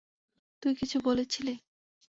তুই কিছু বলছিলি।